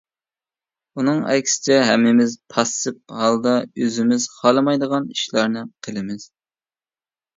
ئۇنىڭ ئەكسىچە ھەممىمىز پاسسىپ ھالدا ئۆزىمىز خالىمايدىغان ئىشلارنى قىلىمىز.